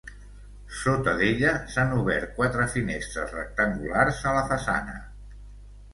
Sota d'ella, s'han obert quatre finestres rectangulars a la façana.